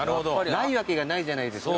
ないわけがないじゃないですか。